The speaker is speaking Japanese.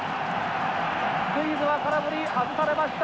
スクイズは空振り外されました。